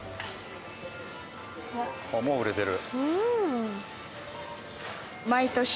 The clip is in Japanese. もう売れてる。